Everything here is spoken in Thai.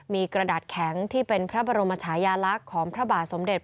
มีกระดาษแข็งที่เป็นพระบรมชายาลักษณ์ของพระบาทสมเด็จ